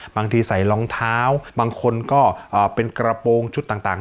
บางทีใส่รองเท้าบางคนก็เป็นกระโปรงชุดต่าง